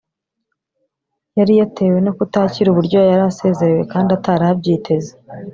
yari yatewe no kutakira uburyo yari asezerewe kandi atari abyiteze